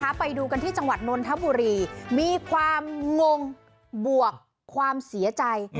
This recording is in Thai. ไปดูกันที่จังหวัดนนทบุรีมีความงงบวกความเสียใจ